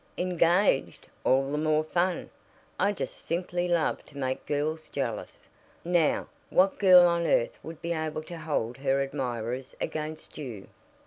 "Engaged! All the more fun. I just simply love to make girls jealous. Now, what girl on earth would be able to hold her admirers against you?"